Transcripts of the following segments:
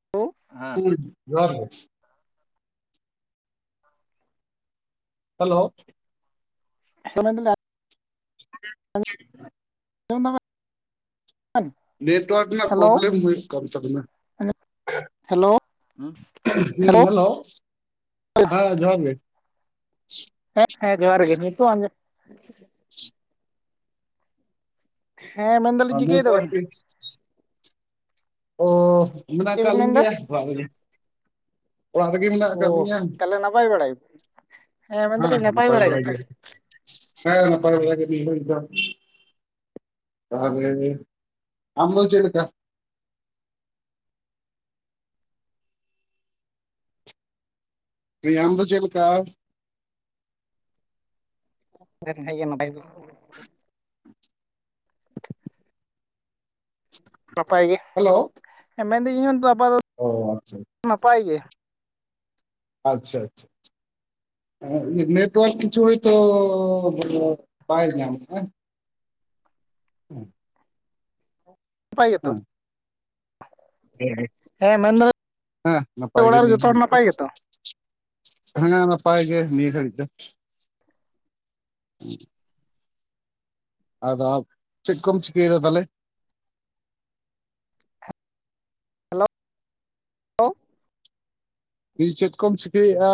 Hello ᱦᱮᱸ ᱦᱩᱸ ᱡᱚᱦᱟᱨ ᱜᱮ ᱦᱮᱞᱳ ᱦᱮᱸ ᱢᱮᱱᱫᱟ [unintelligible] ᱟᱡᱚᱢᱫᱟ ᱱᱮᱴᱳᱣᱟᱨᱠ ᱨᱮᱱᱟᱜ ᱯᱚᱵᱞᱮᱢ ᱦᱩᱭᱩᱜ ᱠᱟᱱ ᱛᱟᱵᱮᱱᱟ ᱦᱮᱞᱳ ᱩᱷ ᱦᱮᱞᱳ ᱦᱮᱸ ᱡᱚᱦᱟᱨ ᱜᱮ ᱦᱮᱸ ᱦᱮᱸ ᱡᱚᱦᱟᱨ ᱜᱮ ᱱᱤᱛᱚᱜ ᱟᱸᱡᱚᱢ ᱦᱮᱸ ᱢᱮᱱᱫᱟᱞᱤᱧ ᱪᱤᱠᱟᱹᱭ ᱮᱫᱟ ᱵᱮᱱ ᱱᱮᱴᱣᱟᱨᱠ ᱚ ᱢᱮᱱᱟᱜ ᱪᱮᱫ ᱵᱮᱱ ᱠᱟᱜ ᱞᱤᱧ ᱢᱮᱱᱫᱟ ᱜᱮᱭᱟ ᱚᱲᱟᱜ ᱨᱮᱜᱮ ᱚᱲᱟᱜ ᱨᱮᱜᱮ ᱢᱮᱱᱟᱜ ᱟᱠᱟᱫ ᱚ ᱞᱤᱧᱟ ᱛᱟᱦᱚᱞᱮ ᱱᱟᱯᱟᱭ ᱵᱟᱲᱟ ᱜᱮ ᱦᱮᱸ ᱱᱟᱯᱟᱭ ᱵᱟᱲᱟ ᱜᱮ ᱦᱮᱸ ᱱᱟᱯᱟᱭ ᱵᱟᱲᱟ ᱜᱮ ᱱᱤᱭᱟᱹ ᱜᱷᱟᱹᱲᱤᱡ ᱫᱚ ᱛᱟᱦᱚᱞᱮ ᱟᱢ ᱫᱚ ᱪᱮᱫ ᱞᱮᱠᱟ [unintelligible] ᱟᱢ ᱫᱚ ᱪᱮᱫ ᱞᱮᱠᱟ [unintelligible] ᱦᱮᱸ ᱜᱮᱭᱟ ᱱᱟᱯᱟᱭ ᱜᱮ [unintelligible] ᱱᱟᱯᱟᱭ ᱜᱮ ᱦᱮᱞᱳ ᱢᱮᱱᱫᱟᱹᱧ ᱤᱧ ᱦᱚᱸ ᱟᱯᱟ ᱚ ᱟᱪᱪᱷᱟ ᱱᱟᱯᱟᱭ ᱜᱮ ᱟᱪᱪᱷᱟ ᱟᱪᱪᱷᱟ ᱱᱮᱴᱚᱣᱟᱨᱠ ᱠᱤᱪᱷᱩ ᱦᱚᱭᱛᱳ ᱵᱟᱭ ᱧᱟᱢᱫᱟ [unintelligible] ᱦᱮᱸ ᱱᱟᱯᱟᱭ ᱜᱮᱛᱚ [unintelligible] ᱦᱮᱸ ᱦᱮᱸ ᱢᱮᱱᱫᱟᱹᱧ ᱦᱮᱸ ᱱᱟᱯᱟᱭ ᱜᱮ ᱚᱲᱟᱜ ᱨᱮ ᱡᱚᱛᱚ ᱱᱤᱭᱟ ᱦᱚᱲ ᱱᱟᱯᱟᱭ ᱜᱮᱛᱚ ᱜᱷᱟᱲᱤᱡ ᱦᱮᱸ ᱱᱟᱯᱟᱭ ᱜᱮ ᱱᱤᱭᱟᱹ ᱜᱷᱟᱲᱤᱡ ᱫᱚ [inaudible] [unintelligible] ᱟᱫᱚ ᱪᱮᱫ ᱠᱚᱢ ᱪᱤᱠᱟᱹᱭᱮᱫᱟ ᱛᱟᱦᱚᱞᱮ ᱦᱮᱞᱳ ᱦᱮᱞᱳ [unintelligible] ᱪᱮᱫ ᱠᱚᱢ ᱪᱤᱠᱟᱹᱭᱮᱜᱼᱟ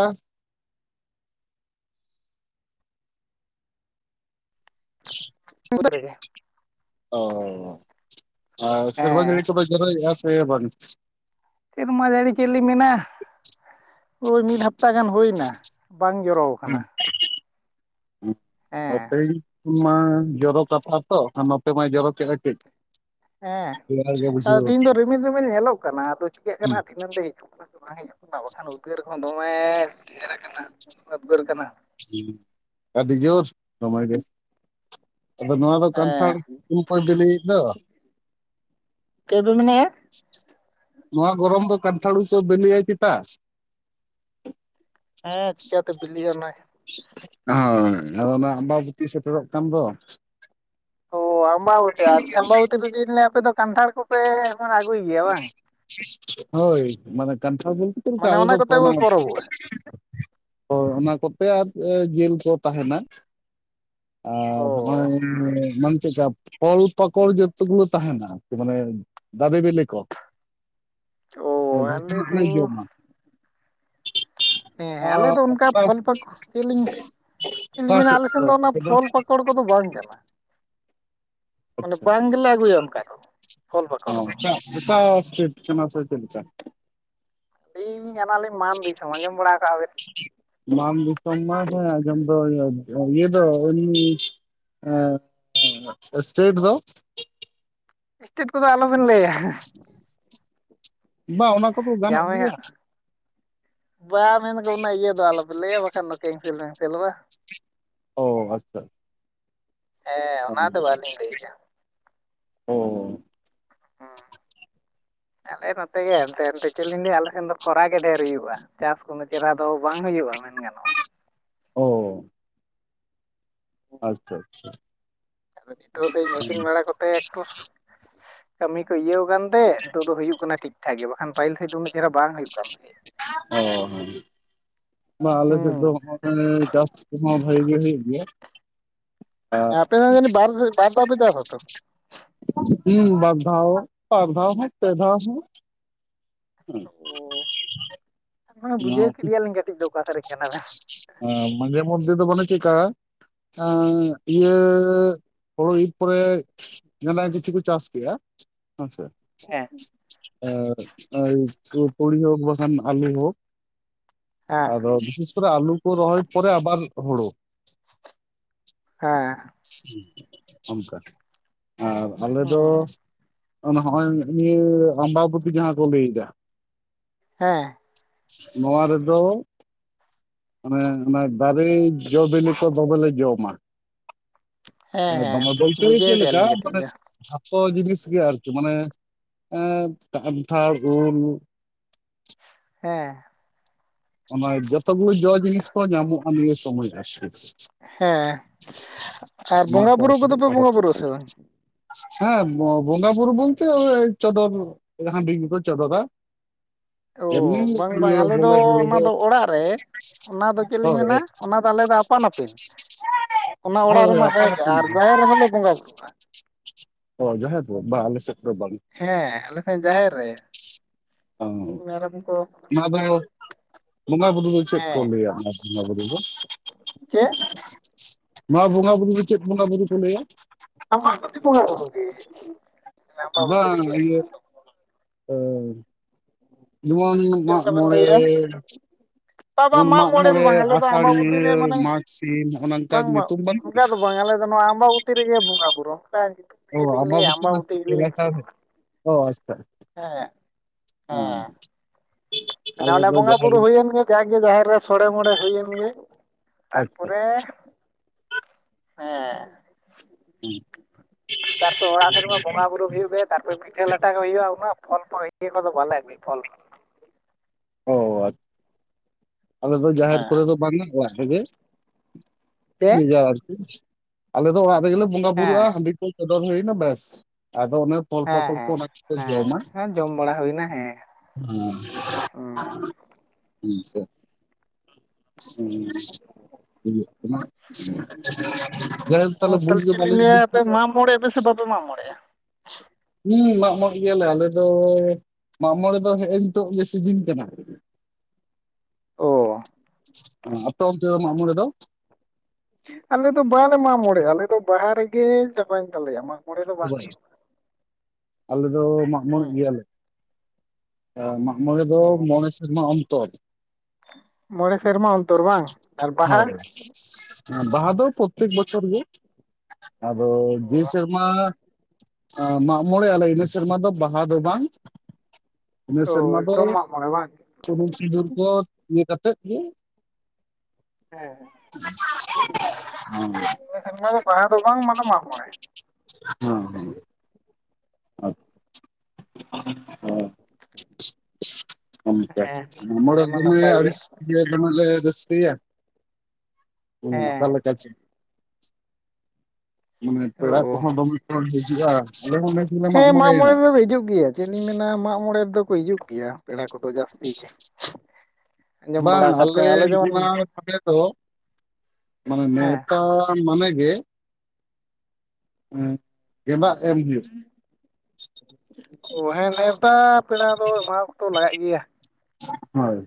[inaudible] [unintelligible] ᱚ ᱟᱨ ᱥᱮᱨᱢᱟ ᱡᱟᱹᱲᱤ ᱦᱮᱸ ᱠᱚᱫᱚᱭ ᱡᱚᱨᱚᱭ ᱮᱜᱼᱟ ᱥᱮ ᱵᱟᱝᱟ ᱥᱮᱨᱢᱟ ᱡᱟᱹᱲᱤ ᱪᱮᱫ ᱞᱤᱧ ᱢᱮᱱᱟ ᱳᱭ ᱢᱤᱫ ᱦᱟᱯᱛᱟ ᱜᱟᱱ ᱦᱳᱭᱱᱼᱟ ᱵᱟᱝ ᱡᱚᱨᱚ ᱠᱟᱱᱟ [unintelligible] ᱛᱮᱦᱮᱧ ᱢᱟ ᱡᱚᱨᱚ ᱠᱟᱛᱷᱟ ᱛᱚ ᱟᱨ ᱱᱚᱛᱮ ᱢᱟᱭ ᱡᱚᱨᱚᱠᱮᱜ-ᱟ ᱠᱟᱹᱡ ᱦᱮᱸ ᱨᱮᱭᱟᱲ ᱜᱮ ᱟᱫᱚ ᱵᱩᱡᱷᱟᱹᱣ ᱛᱮᱦᱮᱧ ᱫᱚ ᱨᱤᱢᱤᱞ ᱨᱤᱢᱤᱞ ᱧᱮᱞᱚᱜ ᱠᱟᱱᱟ ᱟᱫᱚ ᱪᱤᱠᱟᱹᱜ ᱠᱟᱱᱟ ᱫᱷᱤᱱᱟᱹᱝ ᱛᱮ ᱦᱤᱡᱩᱜ ᱠᱟᱱᱟ ᱥᱮ ᱵᱟᱝ ᱦᱮᱡ ᱵᱟᱠᱷᱟᱱ ᱩᱫᱽᱜᱟᱹᱨ ᱦᱚᱸ ᱫᱚᱢᱮ ᱰᱷᱮᱨ ᱠᱟᱱᱟ ᱫᱚᱢᱮ ᱩᱫᱽᱜᱟᱹᱨ ᱠᱟᱱᱟ ᱟᱹᱰᱤ ᱡᱳᱨ ᱫᱚᱢᱮ ᱜᱮ ᱟᱫᱚ ᱱᱚᱣᱟ ᱫᱚ ᱠᱟᱱᱛᱷᱟᱲ ᱦᱮᱸ ᱩᱞ ᱠᱚᱭ ᱵᱮᱞᱮᱭᱮᱫ ᱫᱚ ᱪᱮᱫ ᱵᱤᱱ ᱢᱮᱱᱮᱜᱼᱟ ᱱᱚᱣᱟ ᱜᱚᱨᱚᱢ ᱫᱚ ᱠᱟᱱᱴᱷᱟᱲ ᱩᱞ ᱠᱚᱭ ᱵᱮᱞᱮᱼᱟ ᱪᱮᱛᱟ ᱦᱮᱸ ᱪᱤᱠᱟᱹᱛᱮ ᱵᱤᱞᱤᱜᱼᱟ ᱱᱟᱭ ᱟᱨᱚ ᱱᱚᱶᱟ ᱟᱢᱵᱟᱵᱩᱛᱤ ᱥᱮᱴᱮᱨᱚᱜ ᱠᱟᱱ ᱫᱚ ᱚ ᱟᱢᱵᱟᱵᱩᱛᱤ ᱟᱪᱪᱷᱟ ᱟᱢᱵᱟᱵᱚᱛᱤ ᱪᱮᱫ ᱤᱧ ᱞᱮᱭᱟ ᱟᱞᱮᱫᱚ ᱠᱟᱱᱴᱷᱟᱲ ᱠᱚᱯᱮ ᱟᱜᱩᱭᱜᱮᱭᱟ ᱵᱟᱝ ᱦᱳᱭ ᱢᱟᱱᱮ ᱠᱟᱱᱴᱷᱟᱲ ᱵᱚᱞᱛᱮ ᱪᱮᱫ ᱞᱮᱠᱟ ᱢᱟᱱᱮ ᱟᱞᱮ ᱚᱱᱟ ᱫᱚ ᱠᱚᱛᱮ ᱯᱮ ᱯᱚᱨᱚᱵᱚᱜᱼᱟ [unintelligible] ᱦᱳ ᱚᱱᱟ ᱠᱚᱛᱮ ᱟᱨ ᱡᱮᱞ ᱠᱚ ᱛᱟᱦᱮᱱᱟ ᱟᱨ ᱚ ᱦᱚᱜᱚᱭ [unintelligible] ᱪᱮᱜᱠᱟ ᱯᱷᱚᱞ ᱯᱟᱠᱚᱚᱞ ᱡᱚᱛ ᱜᱩᱞᱟᱹ ᱛᱟᱦᱮᱱᱟ ᱢᱟᱱᱮ ᱫᱟᱨᱮ ᱵᱮᱞᱮ ᱠᱚ ᱚ ᱟᱞᱮ ᱡᱚᱛᱚᱱᱟᱜ ᱫᱚ ᱞᱮ ᱡᱚᱢᱟ ᱦᱮᱸ ᱦᱮᱸ ᱟᱞᱮ ᱟᱨ ᱫᱚ ᱚᱱᱠᱟ ᱚᱠᱟ ᱯᱷᱚᱞ ᱯᱟᱠᱚ ᱪᱮᱫ ᱞᱤᱧ ᱪᱤᱞᱤ ᱚᱠᱟ ᱥᱮᱫ ᱢᱮᱱᱟᱜ ᱞᱮᱠᱷᱟᱱ ᱫᱚ ᱠᱷᱚᱡ ᱚᱱᱟ ᱥᱮᱫᱚ? ᱯᱷᱚᱞ ᱯᱟᱠᱚᱲ ᱠᱚᱫᱚ ᱵᱟᱝ ᱠᱟᱱᱟ ᱢᱟᱱᱮ ᱟᱪᱪᱷᱟ ᱵᱟᱝ ᱜᱮᱞᱮ ᱟᱹᱜᱩᱭᱟ ᱚᱱᱠᱟ ᱫᱚ ᱯᱷᱚᱞ ᱯᱟᱠᱚᱲ ᱚ ᱫᱚ ᱚᱠᱟ ᱮᱥᱴᱮᱴ ᱚᱱᱟ ᱦᱟᱥᱟ ᱪᱮᱫ ᱞᱮᱠᱟ ᱟᱹᱞᱤᱧ ᱠᱟᱱᱟᱞᱤᱧ ᱢᱟᱱᱫᱤᱥᱳᱢ ᱟᱸᱡᱚᱢ ᱵᱟᱲᱟ ᱠᱟᱜᱼᱟ ᱵᱤᱱ ᱵᱟᱢ ᱫᱤᱥᱚᱢ ᱥᱮ ᱤᱭᱟᱹ ᱫᱚ ᱦᱮᱸ ᱥᱴᱮᱴ ᱫᱚ ᱮᱥᱴᱮᱰ ᱠᱚᱫᱚ ᱟᱞᱚᱵᱤᱱ ᱞᱟᱹᱭᱟ ᱵᱟᱝ ᱚᱱᱟ ᱠᱚᱫᱚ ᱜᱟᱱᱚᱜ ᱡᱟᱢᱟᱭ ᱜᱮᱭᱟ ᱦᱟᱸ ᱵᱟᱭ ᱢᱮᱱ ᱠᱚᱱᱟ ᱤᱭᱟᱹ ᱫᱚ ᱟᱞ ᱞᱟᱹᱭᱟ ᱵᱟᱠᱷᱟᱱ ᱫᱚ ᱠᱮᱱᱥᱤᱞ ᱢᱮᱱᱥᱤᱞ ᱚᱜ -ᱟ ᱚ ᱟᱪᱪᱷᱟ ᱦᱮᱸ ᱦᱩᱸ ᱚᱱᱟ ᱫᱚ ᱵᱟᱹᱞᱤᱧ ᱞᱟᱹᱭᱮᱜᱼᱟ [inaudible] ᱦᱩᱸ ᱟᱞᱮ ᱱᱚᱛᱮ ᱜᱮ ᱮᱱᱛᱮ ᱪᱮᱫ ᱞᱤᱧ ᱞᱟᱹᱭᱟ ᱟᱞᱮ ᱠᱷᱟᱱ ᱫᱚ ᱠᱷᱚᱨᱟ ᱜᱮ ᱰᱷᱮᱨ ᱦᱩᱭᱩᱜᱼᱟ ᱪᱟᱥ ᱠᱳᱱᱳ ᱪᱮᱦᱨᱟ ᱫᱚ ᱵᱟᱝ ᱦᱩᱭᱩᱜᱼᱟ ᱜᱟᱱᱚᱜᱼᱟ ᱚᱳ ᱟᱪᱪᱷᱟ ᱟᱪᱪᱷᱟ ᱟᱫᱚ ᱱᱤᱛᱚᱜ ᱥᱮᱭ ᱢᱮᱥᱤᱱ ᱵᱟᱲᱟ ᱠᱚᱛᱮ ᱮᱠᱴᱩ ᱠᱟᱹᱢᱤ ᱠᱚ ᱤᱭᱟᱹᱣ ᱠᱟᱱ ᱱᱤᱛᱚᱜ ᱫᱚ ᱦᱩᱭᱩᱜ ᱠᱟᱱᱟ ᱴᱤᱠᱴᱷᱟᱠ ᱜᱮ ᱵᱟᱝᱠᱷ ᱯᱦᱤᱞ ᱥᱮᱫ ᱩᱱᱟᱹᱜ ᱪᱮᱦ ᱵᱟᱝ ᱦᱩᱭᱩᱜ ᱠᱟᱱᱟ ᱚ ᱦ ᱵᱟ ᱟᱞᱮᱥᱮᱫ ᱫᱚ ᱛᱟᱦᱮᱸᱫ ᱪᱟᱥ ᱠᱚᱦᱚᱸ ᱵᱷᱟᱜᱤ ᱜᱮ ᱦᱩᱭᱩᱜ ᱜᱮᱭᱟ ᱦᱩᱸ ᱟᱯᱮ ᱫᱚ ᱡᱟᱹᱱᱤᱡ ᱵᱟᱨ ᱵᱟᱨ ᱫᱷᱟᱣ ᱯᱮ ᱪᱟᱥᱟ ᱛᱚ ᱚ ᱦᱩᱸ ᱵᱟᱨ ᱫᱷᱟᱣ ᱵᱟᱨ ᱫᱷᱟᱣ ᱯᱮ ᱫᱷᱟᱣ ᱦᱚᱸ ᱦᱮᱸ ᱚ ᱵᱩᱡᱷᱟᱹᱣ ᱠᱮᱫᱮᱭᱟᱞᱤᱧ ᱠᱟᱹᱴᱤᱡ ᱫᱚ ᱚᱠᱟ ᱥᱮᱫ ᱨᱮᱱ ᱠᱟᱱᱟ ᱵᱮᱱ ᱢᱟᱱᱡᱮ ᱢᱩᱚᱫᱮ ᱫᱚ ᱵᱚᱞᱮ ᱪᱮᱜᱠᱟ ᱤᱭᱟᱹ ᱦᱩᱲᱩ ᱤᱨ ᱯᱚᱨᱮ ᱡᱷᱟᱱᱮ ᱠᱤᱪᱷᱩ ᱠᱚ ᱪᱟᱥ ᱠᱮᱭᱟ ᱦᱮᱸᱥᱮ ᱦᱮᱸ ᱟ ᱯᱲ ᱦᱳᱠ ᱵᱟ ᱥᱟᱱ ᱟᱞᱩ ᱦᱳᱠ ᱟᱫᱚ ᱵᱤᱥᱮᱥ ᱠᱚᱨᱮ ᱟᱞᱩ ᱠᱚ ᱨᱚᱦᱚᱭ ᱯᱮ ᱟᱵᱟᱨ ᱦᱳᱲᱳ ᱦᱮᱸ ᱚᱱᱠᱟ ᱟᱨ ᱟᱞᱮ ᱫᱚ ᱦᱮᱸ ᱱᱚᱜᱼᱚᱭ ᱤᱭᱟᱹ ᱟᱢᱵᱟᱵᱚᱛᱤ ᱡᱟᱦᱟᱸ ᱠᱚ ᱞᱮᱹᱭᱫᱟ ᱦᱮᱸ ᱱᱚᱣᱟ ᱨᱮᱫᱚ ᱢᱟᱱᱮ ᱚᱱᱟ ᱫᱟᱨᱮ ᱡᱚᱵᱮᱞᱮ ᱠᱚ ᱫᱚᱢᱮ ᱞᱮ ᱡᱚᱢᱟ ᱦᱮᱸ ᱦᱮᱸ [unintelligible] ᱵᱩᱡᱷᱟᱹᱣ ᱠᱮᱜᱼᱟ ᱪᱮᱞᱠᱟ ᱞᱤᱧ ᱢ ᱠᱟᱹᱴᱤᱡ ᱫᱚ ᱡᱚᱛᱚ ᱡᱤᱱᱤᱥ ᱜᱮ ᱟᱨᱠᱤ ᱢᱟᱱᱮ ᱠᱟᱱᱴᱷᱟᱲ ᱩᱞ [inaudible] ᱦᱮᱸ ᱚᱱᱟ ᱡᱚᱛᱚ ᱜᱮ ᱡᱚᱺ ᱡᱤᱱᱤᱥ ᱠᱚ ᱧᱟᱢᱚᱜᱼᱟ ᱱᱤᱭᱟᱹ ᱥᱚᱢᱚᱭ ᱟᱨᱠᱤ ᱦᱮᱸ ᱟᱨ ᱚᱱᱟ ᱵᱚᱸᱜᱟ ᱠᱚ ᱵᱩᱨᱩ ᱠᱚᱫᱚ ᱟᱛᱮᱞᱮ ᱯᱮ ᱯᱚᱨᱚᱵᱽ ᱵᱚᱸᱜᱟ ᱵᱩᱨᱩᱜ ᱟᱥᱮ ᱵᱟᱝ ᱦᱮᱸ ᱵᱚᱸᱜᱟ ᱵᱩᱨᱩ ᱵᱚᱞᱛᱮ ᱪᱚᱰᱚᱨ ᱦᱟᱺᱰᱤ ᱜᱮ ᱠᱚ ᱪᱚᱰᱚᱨᱟ ᱚ ᱮᱢᱱᱤ ᱵᱟᱝ ᱵᱟᱝ ᱤᱭᱟᱹ ᱟᱞᱮ ᱫᱚ ᱵᱚᱸᱜᱟ ᱵᱩᱨᱩ ᱚᱱᱟ ᱫᱚ ᱫᱚ ᱚᱲᱟᱜ ᱨᱮ ᱚᱱᱟ ᱫᱚ ᱪᱮᱫ ᱞᱤᱧ ᱢᱮᱱᱟ ᱦᱳᱭ ᱚᱱᱟ ᱫᱚ ᱟᱞᱮ ᱫᱚ ᱟᱯᱟᱱ ᱟᱹᱯᱤᱱ ᱚᱱᱟ ᱦᱳᱭ ᱚᱲᱟᱜ ᱦᱳᱭ ᱨᱮᱢᱟ ᱟᱯᱟᱱ ᱦᱮᱡ ᱟᱹᱯᱤᱱ ᱟᱨ ᱜᱮ ᱡᱟᱦᱮᱨ ᱨᱮᱦᱚᱸᱞᱮ ᱵᱚᱸᱜᱟ ᱵᱩᱨᱩᱜᱼᱟ ᱚ ᱡᱟᱦᱮᱨ ᱨᱮ ᱵᱟ ᱟᱞᱮ ᱥᱮᱫ ᱫᱚ ᱵᱟᱝ ᱦᱮᱸ ᱟᱞᱮ ᱥᱮᱫ ᱡᱟᱦᱮᱨ ᱨᱮ ᱚ ᱢᱮᱨᱚᱢ ᱠᱚ ᱚᱱᱟ ᱫᱚ ᱵᱚᱸᱜᱟ ᱵᱩᱨᱩ ᱫᱚ ᱪᱮᱫ ᱠᱚ ᱦᱮᱸ ᱞᱟ. ᱭᱟ ᱚᱰᱮ ᱵᱚᱝᱜᱟ ᱵᱩᱨᱩ ᱫᱚ ᱪᱮᱫ ᱢᱟ ᱵᱚᱸᱜᱟ ᱵᱩᱨᱩ ᱪᱮᱫ ᱵᱚᱸᱜᱟ ᱵᱩᱨᱩ ᱠᱚ ᱞᱟᱹᱭᱟ [unintelligible] ᱟᱸᱢᱵᱟᱵᱚᱛᱤ ᱨᱮ ᱵᱟᱝ ᱜᱮ ᱤᱭᱟᱹ ᱡᱮᱢᱚᱱ ᱪᱮᱫ ᱞᱮᱠᱟ ᱵᱮᱱ ᱢᱟᱜᱢᱚᱬᱮ ᱞᱟᱹᱭᱮᱜᱼᱟ ᱵᱟ ᱵᱟ ᱡᱮᱢᱚᱱ ᱢᱟᱜ ᱢᱚᱬᱮ ᱫᱚ ᱢᱟᱜᱢᱚᱬᱮ ᱵᱟᱝ ᱟᱞᱮ ᱫᱚ ᱟᱢᱵᱟᱵᱚᱛᱤ ᱟᱥᱟᱲᱤᱭᱟᱹ ᱨᱮ ᱢᱟᱱᱮ ᱢᱟᱜᱽ ᱥᱤᱢ ᱚᱜ ᱚ ᱱᱚᱝᱠᱟ ᱵᱟᱝ ᱵᱟᱝ ᱧᱩᱛᱩᱢ ᱵᱟᱹᱱᱩᱜᱼᱟ ᱚᱱᱠᱟ ᱫᱚ ᱵᱟᱝ ᱟᱞᱮ ᱫᱚ ᱱᱚᱣᱟ ᱟᱢᱵᱟᱵᱚᱛᱤ ᱨᱮᱜᱮ ᱵᱚᱸᱜᱟᱼ ᱵᱩᱨᱩ ᱚᱱᱠᱟ ᱧᱩᱛᱩᱢ ᱛᱮ ᱪᱮᱫ ᱞᱤᱧ ᱞᱟᱹᱭᱟ ᱟᱢᱵᱟᱵᱩᱛᱤ ᱜᱮᱞᱤᱧ ᱞᱟ. ᱭᱟ ᱦᱮᱸ ᱦᱮᱸ ᱚᱸᱰᱮ ᱵᱚᱸᱜᱟᱼ ᱵᱩᱨᱩ ᱦᱩᱭᱮᱱ ᱜᱮ ᱡᱟᱜᱮ ᱡᱟᱦᱮᱨ ᱨᱮ ᱥᱳᱲᱮ ᱢᱚᱬᱮ ᱦᱩᱭᱮᱱ ᱜᱮ ᱛᱟᱨᱯᱚᱨᱮ ᱦᱮᱸ [inaudible] ᱛᱟᱨᱯᱚᱨ ᱚᱲᱟᱜ ᱥᱮᱫᱢᱟ ᱵᱚᱸᱜᱟ ᱵᱩᱨᱩ ᱦᱩᱭᱩᱜ ᱜᱮ ᱛᱟᱨᱯᱚᱨ ᱯᱤᱴᱷᱟᱹ ᱞᱟᱴᱷᱟ ᱠᱚ ᱦᱩᱭᱩᱜᱼᱟ ᱩᱱᱟᱹᱜ ᱯᱷᱚᱞ ᱤᱭᱟᱹ ᱠᱚ ᱫᱚ ᱵᱟᱞᱮ ᱟᱜᱩᱭᱟ ᱯᱷᱚᱞ ᱚ ᱟᱡ ᱟᱞᱮ ᱫᱚ ᱡᱟᱦᱮᱨ ᱦᱮᱸ ᱠᱚᱨᱮ ᱫᱚ ᱵᱟᱝ ᱟ ᱚᱲᱟᱜ ᱨᱮᱜᱮ ᱞᱟ. ᱪᱮᱫ ᱭ ᱫᱟ ᱟᱨᱠᱤ ᱟᱞᱮ ᱫᱚ ᱚᱲᱟᱜ ᱨᱮᱜᱮᱞᱮ ᱵᱚᱸᱜᱟ ᱦᱮᱸ ᱵᱩᱨᱩᱜᱼᱟ ᱦᱟᱺᱰᱤ ᱠᱚ ᱪᱚᱰᱚᱨ ᱦᱩᱭᱱᱟ ᱵᱮᱥ ᱟᱫᱚ ᱚᱱᱮ ᱯᱚᱞ ᱦᱮᱸ ᱯᱟᱠᱚᱲ ᱠᱚ ᱦᱮᱸ ᱚᱱᱟ ᱠᱚᱞᱮ ᱦᱮᱸ ᱡᱚᱢᱟ ᱦᱮᱸ ᱡᱚᱢ ᱵᱟᱲᱟ ᱦᱩᱭᱱᱟ ᱦᱮᱸ ᱦᱩᱸ ᱦᱮ ᱥᱮ ᱦᱮᱸ ᱵᱩᱡᱷᱚᱜ ᱠᱟᱱᱟ ᱵᱮᱥ ᱦᱮᱸ ᱛᱟᱦᱚᱞᱮ ᱵᱩᱡᱽ ᱫᱚ ᱪᱮᱫ ᱞᱤᱧ ᱵᱟᱞᱤᱧ ᱵᱩᱡᱽ ᱞᱟᱹᱭᱟ ᱟᱯᱮ ᱮᱫᱟ [unintelligible] ᱵᱟᱯᱮ ᱢᱟᱜᱸᱢᱚᱲᱮᱜ -ᱟ ᱦᱮᱸ ᱢᱟᱜ ᱢᱚᱬᱮ ᱜᱮᱭᱟᱞᱮ ᱟᱞᱮ ᱫᱚ ᱢᱟᱜ ᱢᱚᱬᱮ ᱫᱚ ᱦᱮᱜ ᱱᱤᱛᱚᱜ ᱜᱮ ᱥᱤᱡᱤᱱ ᱠᱟᱱᱟ ᱚ ᱟᱯᱮ ᱚᱱᱛᱮ ᱫᱚ ᱢᱟᱜᱸᱢᱚᱲᱮ ᱫᱚ ᱟᱞᱮ ᱫᱚ ᱵᱟᱞᱮ ᱢᱟᱜ ᱢᱚᱬᱮᱭᱟ ᱟᱞᱮ ᱫᱚ ᱵᱟᱦᱟ ᱨᱮᱜᱮ ᱪᱟᱵᱟᱭᱮᱱ ᱛᱟᱞᱮᱭᱟ ᱢᱟ ᱢᱚᱲᱮ ᱫᱚ ᱵᱟᱝ ᱦᱩᱭᱩᱜ ᱟ ᱟᱞᱮ ᱫᱚ ᱢᱟᱜ ᱢᱚᱬᱮᱜ ᱜᱮᱭᱟᱞᱮ ᱟ ᱢᱟ ᱢᱚᱬᱮ ᱫᱚ ᱢᱚᱬᱮ ᱥᱮᱨᱢᱟ ᱚᱱᱛᱚᱨ ᱢᱚᱬᱮ ᱥᱮᱨᱢᱟ ᱚᱱᱛᱚᱨ ᱵᱟᱝ ᱟᱨ ᱵᱟᱦᱟ ᱦᱮ ᱵᱟᱦᱟ ᱫᱚ ᱯᱚᱛᱛᱮᱠ ᱵᱚᱪᱷᱚᱨ ᱜᱮ ᱟᱫᱚ ᱡᱮ ᱥᱮᱨᱢᱟ ᱢᱟᱜ ᱢᱚᱬᱮ ᱟᱞᱮ ᱤᱱᱟᱹ ᱥᱮᱨᱢᱟ ᱫᱚ ᱵᱟᱦᱟ ᱫᱚ ᱵᱟᱝ ᱤᱱᱟᱹ ᱚ ᱥᱮᱨᱢᱟ ᱫᱚ ᱮᱠᱫᱚᱢ ᱢᱟᱜ ᱢᱚᱬᱮ ᱵᱟᱝ ᱥᱩᱱᱩᱢ ᱥᱤᱫᱩᱨ ᱠᱚ ᱤᱭᱟᱹ ᱠᱟᱛᱮᱜ ᱜᱮ [inaudible] ᱦᱮᱸ ᱱᱤᱭᱟᱹ ᱥᱮᱨᱢᱟ ᱫᱚ ᱵᱟᱦᱟ ᱫᱚ ᱵᱟᱝ ᱢᱟᱱᱮ ᱢᱟᱜ ᱢᱟᱬᱮ ᱦᱮᱸ ᱦᱮᱸ ᱚ ᱦᱮᱸ [inaudible] ᱚᱱᱟᱢᱟ ᱱᱟᱯᱟᱭ ᱜᱮ ᱯᱮᱭᱟ ᱚᱱᱠᱟᱞᱮ ᱦᱮᱸ ᱪᱮ ᱚ, ᱠᱚᱦᱚᱸ ᱫᱚᱢᱮ ᱠᱚ ᱦᱤᱡᱩᱜᱼᱟ ᱟᱞᱮ ᱦᱚᱸ ᱱᱮᱥ ᱜᱮᱞᱮ ᱦᱮᱸ ᱢᱟᱜ ᱢᱚᱬᱮᱭᱮᱱᱟ ᱢᱚᱬᱮ ᱫᱚ ᱦᱤᱡᱩᱜ ᱜᱮᱭᱟ ᱪᱮᱫ ᱤᱧ ᱢᱮᱱ ᱦᱮᱸ ᱢᱟᱜ ᱢᱚᱬᱮ ᱨᱮᱫᱚ ᱠᱚ ᱦᱤᱡᱩᱜ ᱜᱮᱭᱟ ᱯᱮᱲᱟ ᱠᱚᱫᱚ ᱡᱟᱹᱥᱛᱤ ᱜᱮ ᱟᱸᱡᱚᱢ ᱵᱟᱝ ᱵᱟᱲᱟ ᱟᱠᱟᱫ ᱟᱞᱮ ᱠᱚᱣᱟ ᱱᱚᱣᱟ ᱡᱮᱢᱚᱱ ᱟᱞᱮ ᱫᱚ ᱢᱟᱱᱮ ᱦᱮᱸ ᱱᱮᱣᱛᱟ ᱢᱟᱱᱮ ᱜᱮ ᱦᱮᱸ ᱚ ᱦᱮᱸ ᱱᱮᱣᱛᱟ ᱯᱮᱲᱟ ᱫᱚ ᱮᱢᱟ ᱠᱚᱫᱚ ᱞᱟᱜᱟᱜ ᱜᱮᱭᱟ ᱦᱳᱭ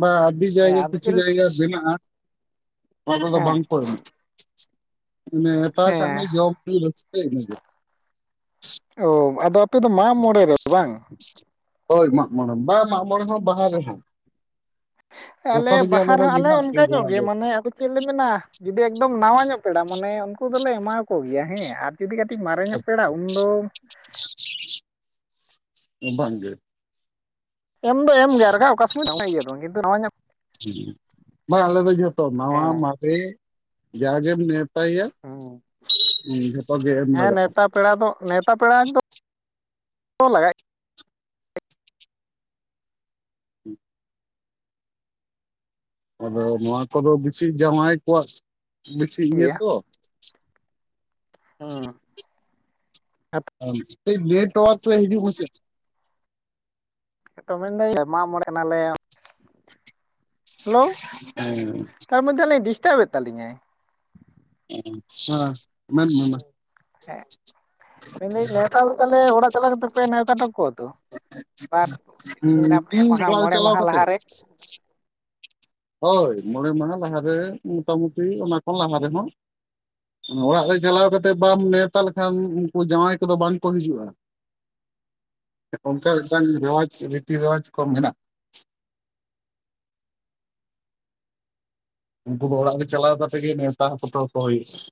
ᱵᱟ ᱟᱹᱰᱤ ᱦᱮᱸ ᱡᱟᱭᱜᱟ ᱟᱫᱚ ᱠᱤᱪᱷᱩ ᱪᱮᱫ ᱡᱟᱭᱜᱟ ᱢᱮᱱᱟᱜᱼᱟ ᱚᱱᱟ ᱠᱚᱫᱚ ᱦᱮᱸ ᱵᱟᱝ ᱠᱚ ᱮᱢᱚᱜ- ᱟ ᱱᱮᱶᱛᱟ ᱠᱟᱜ ᱦᱮᱸ ᱢᱮᱭᱟᱭ ᱡᱚᱢ-ᱧᱩ ᱨᱟᱹᱥᱠᱟᱹ ᱤᱱᱟᱹ ᱜᱮ ᱚ ᱟᱫᱚ ᱟᱯᱮ ᱫᱚ ᱢᱟᱜ ᱢᱚᱬᱮ ᱨᱮ ᱵᱟᱝ ᱦᱳᱭ ᱢᱟᱜ ᱢᱚᱬᱮ ᱵᱟᱝ ᱢᱟᱜ ᱢᱚᱬᱮ ᱦᱚᱸ ᱵᱟᱦᱟ ᱨᱮᱦᱚᱸ ᱟᱞᱮ ᱡᱚᱛᱚ ᱨᱮᱜᱮ ᱵᱟᱦᱟ ᱫᱚ ᱨᱮᱦᱚᱸ ᱢᱮᱱᱟᱜ ᱟᱞᱮ ᱚᱱᱠᱟ ᱞᱮᱭᱟ ᱧᱚᱜ ᱡᱟᱦᱟᱸ ᱜᱮ ᱫᱚ ᱢᱟᱱᱮ ᱟᱫᱚ ᱪᱮᱫ ᱞᱮ ᱢᱮᱱᱟ ᱡᱩᱫᱤ ᱮᱠᱫᱚᱢ ᱱᱟᱣᱟ ᱧᱚᱜ ᱯᱮᱲᱟ ᱢᱟᱱᱮ ᱩᱱᱠᱩ ᱫᱚᱞᱮ ᱮᱢᱟᱣᱟᱠᱚ ᱜᱮᱭᱟ ᱦᱮᱸ ᱟᱨ ᱡᱩᱫᱤ ᱠᱟᱹᱴᱤᱡ ᱢᱟᱨᱮ ᱧᱚᱜ ᱯᱮᱲᱟ ᱩᱱᱫᱚ ᱵᱟᱝ ᱜᱮ ᱮᱢ ᱫᱚ ᱮᱢ ᱜᱮᱭᱟ ᱟᱨ ᱚᱠᱟ ᱥᱚᱢᱚᱭ ᱫᱚ ᱵᱟᱝ ᱤᱭᱟᱹᱜ-ᱟ ᱫᱚ ᱠᱤᱱᱛᱩ ᱱᱚᱣᱟ ᱧᱚᱜ ᱦᱩᱸ ᱵᱟ ᱟᱞᱮ ᱫᱚ ᱡᱚᱛᱚ ᱱᱟᱣᱟ ᱦᱮᱸ ᱢᱟᱨᱮ ᱡᱟᱜᱮᱢ ᱢᱮᱱ ᱱᱮᱣᱛᱟᱭᱮᱭᱟ ᱦᱩᱸ ᱡᱷᱚᱛᱚ ᱜᱮ ᱮᱢ ᱞᱟᱜᱟᱜᱼᱟ ᱯᱟ, ᱯᱮᱲᱟ ᱠᱚᱫᱚ ᱞᱟᱜᱟᱜ ᱜᱮ ᱦᱩᱸ ᱟᱫᱚ ᱱᱚᱣᱟ ᱠᱚᱫᱚ ᱵᱤᱥᱤ ᱡᱟᱶᱟᱭ ᱠᱚᱣᱟᱜ ᱵᱤᱥᱤ ᱤᱭᱟᱹ ᱜᱮᱭᱟ ᱛᱚ ᱦᱩᱸ ᱠᱟᱴᱤᱡ ᱱᱮᱴᱚᱣᱟᱨᱠ ᱨᱮ ᱦᱤᱡᱩᱜ ᱢᱮᱥᱮ ᱛᱚ ᱢᱮᱱᱫᱟᱹᱧ ᱢᱟᱜ ᱢᱚᱬᱮᱜ ᱠᱟᱱᱟᱞᱮ ᱦᱩᱸ ᱰᱤᱥᱴᱟᱵᱮᱫ ᱛᱟᱞᱤᱧᱟᱭ ᱟᱪᱪᱷᱟ ᱦᱮᱸ ᱢᱮᱱᱫᱟᱹᱧ ᱱᱮᱣᱛᱟ ᱫᱚ ᱛᱟᱞᱦᱮ ᱚᱲᱟᱜ ᱪᱟᱞᱟᱣ ᱠᱟᱛᱮᱫ ᱯᱮ ᱱᱮᱣᱛᱟ ᱦᱚᱴᱚ ᱠᱟᱠᱚᱣᱟ ᱛᱚ ᱦᱩᱸ ᱛᱚ ᱟᱨ ᱯᱮ ᱢᱟᱦᱟ ᱦᱩᱸ ᱢᱚᱬᱮ ᱪᱟᱞᱟᱣ ᱢᱟᱦᱟ ᱠᱟᱛᱮ ᱞᱟᱦᱟᱨᱮ ᱦᱳᱭ ᱢᱚᱬᱮ ᱢᱟᱦᱟ ᱞᱟᱦᱟᱨᱮ ᱢᱳᱴᱟᱢᱩᱴᱤ ᱚᱱᱟ ᱠᱷᱚᱱ ᱞᱟᱦᱟ ᱨᱮᱦᱚᱸ ᱚᱲᱟᱜ ᱨᱮ ᱪᱟᱞᱟᱣ ᱠᱟᱛᱮᱫ ᱵᱟᱢ ᱱᱮᱶᱛᱟ ᱞᱮᱠᱷᱟᱱ ᱩᱱᱠᱩ ᱡᱟᱶᱟᱭ ᱠᱚᱫᱚ ᱵᱟᱝ ᱠᱚ ᱦᱤᱡᱩᱜᱼᱟ [inaudible] ᱚᱱᱠᱟ ᱢᱤᱫᱴᱟᱱ ᱨᱮᱣᱟᱡᱽ ᱨᱤᱛᱤ ᱨᱮᱣᱟᱡᱽ ᱠᱚ ᱢᱮᱱᱟᱜᱼᱟ [inaudible] ᱩᱱᱠᱩ ᱫᱚ ᱚᱲᱟᱜ ᱨᱮ ᱪᱟᱞᱟᱣ ᱠᱟᱛᱮᱫ ᱜᱮ ᱱᱮᱣᱛᱟ ᱦᱚᱴᱚ ᱠᱟᱠᱚ ᱦᱩᱭᱩᱜᱼᱟ [inaudible]